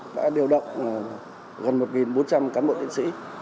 đã điều động gần một bốn trăm linh cán bộ điện sĩ